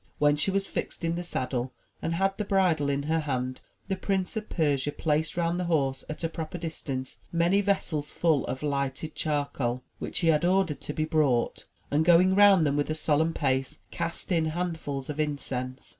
When she was fixed in the saddle and had the bridle in her hand, the Prince of Persia placed round the horse, at a proper distance, many vessels full of lighted charcoal, which he had ordered to be brought, and going round them with a solemn pace, cast in handfuls of incense.